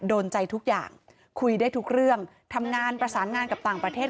โดนใจทุกอย่างคุยได้ทุกเรื่องทำงานประสานงานกับต่างประเทศ